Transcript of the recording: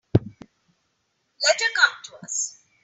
Let her come to us.